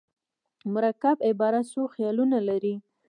مرکب عبارت څو خیالونه لري.